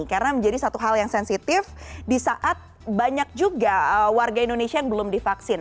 karena menjadi satu hal yang sensitif di saat banyak juga warga indonesia yang belum divaksin